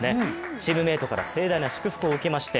チームメートから盛大な祝福を受けました。